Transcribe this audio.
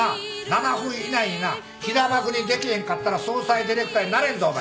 ７分以内になひだ幕にできへんかったら葬祭ディレクターになれへんぞお前。